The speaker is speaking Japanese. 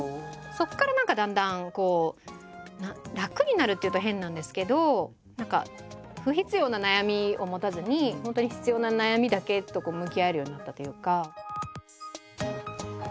そこから何かだんだんこう楽になるっていうと変なんですけど何か不必要な悩みを持たずに本当に必要な悩みだけと向き合えるようになったというか。